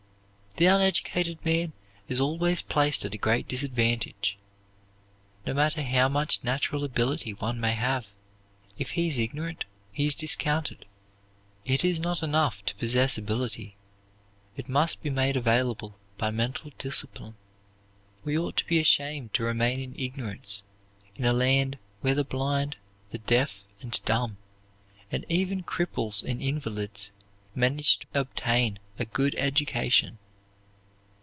The uneducated man is always placed at a great disadvantage. No matter how much natural ability one may have, if he is ignorant, he is discounted. It is not enough to possess ability, it must be made available by mental discipline. We ought to be ashamed to remain in ignorance in a land where the blind, the deaf and dumb, and even cripples and invalids, manage to obtain a good education.